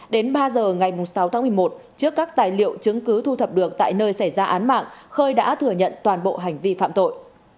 đến ba giờ ngày sáu tháng một mươi một trước các tài liệu chứng cứ thu thập được tại nơi xảy ra án mạng khơi đã thừa nhận toàn bộ hành vi phạm tội